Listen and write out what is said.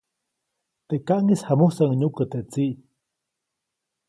Teʼ kaʼŋis jamusäʼuŋ nyukä teʼ tsiʼ.